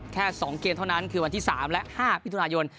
แค่๒เกมเท่านั้นคือวันที่๓และ๕มิถุนายน